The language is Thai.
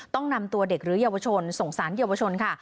ต้องนำตัวเด็กหรือเยาวชนส่งสารเยาวชนค่ะ